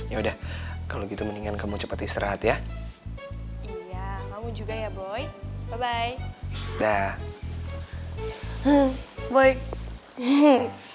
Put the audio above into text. yaudah kalau gitu mendingan kamu cepat istirahat ya iya kamu juga ya boy bye bye bye bye bye